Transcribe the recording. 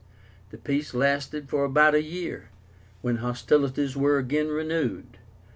The peace lasted for about a year, when hostilities were again renewed.